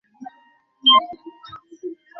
কঠিন পদার্থটি সম্ভবত এক ধরনের আঠা।